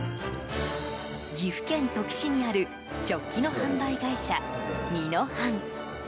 岐阜県土岐市にある食器の販売会社、みのはん。